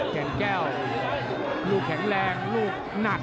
แก่นแก้วลูกแข็งแรงลูกหนัก